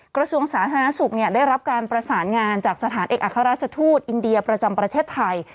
กระทรวงสาธารณสุขได้รับการประสานงานจากสถานเอกอัครราชทูตอินเดียประจำประเทศไทย